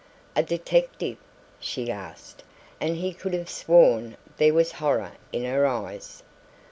"A detective?" she asked, and he could have sworn there was horror in her eyes.